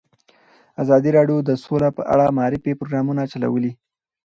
ازادي راډیو د سوله په اړه د معارفې پروګرامونه چلولي.